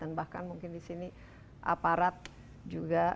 dan bahkan mungkin di sini aparat juga